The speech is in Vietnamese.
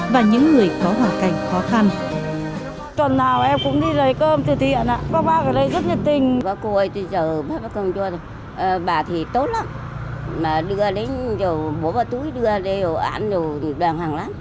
và những người có hoàn cảnh khó khăn